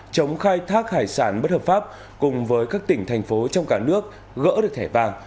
chống khai thác hải sản bất hợp pháp cùng với các tỉnh thành phố trong cả nước gỡ được thẻ vàng